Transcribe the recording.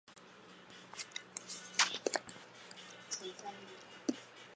和平鸟科是鸟纲雀形目中的一个科。